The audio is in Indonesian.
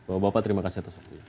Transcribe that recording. bapak bapak terima kasih atas waktunya